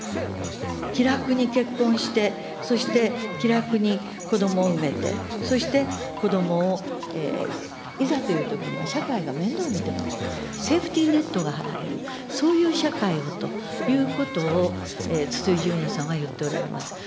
気楽に結婚して、そして気楽に子どもを産めて、そして子どもを、いざというときには社会が面倒見てもらえる、セーフティーネットが張られる、そういう社会をということを、筒井淳也さんは言っておられます。